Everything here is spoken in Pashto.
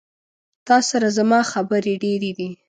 تا سره زما خبري ډيري دي